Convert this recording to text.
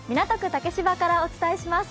竹芝からお伝えします。